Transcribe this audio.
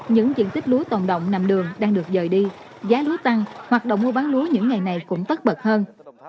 những diện tích lúa tồn động nằm đường đang được dời đi giá lúa tăng hoạt động mua bán lúa những ngày này cũng tất bật hơn